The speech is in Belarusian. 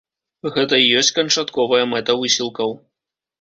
Гэта і ёсць канчатковая мэта высілкаў.